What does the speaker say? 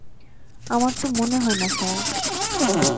আমার তো মনে হয় না, স্যার।